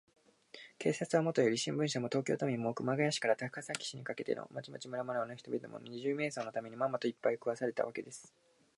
警察はもとより、新聞社も、東京都民も、熊谷市から高崎市にかけての町々村々の人々も、二十面相のために、まんまと、いっぱい食わされたわけです。